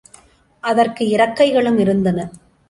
அதற்கு இறக்கைகளும் இருந்தன.